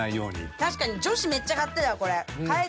確かに女子めっちゃ買ってるわこれ。